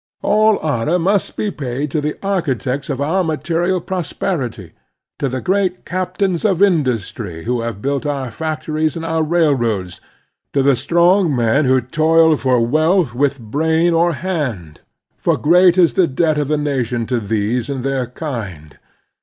All honor must be paid to the architects of our material prosperity, to the great captains of industry who have built our factories and our railroads, to the strong men who toil for wealth with brain or hand ; for great is the debt of the nation to these and their kind.